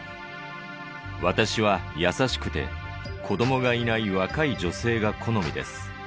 私は優しくて子どもがいない若い女性が好みです。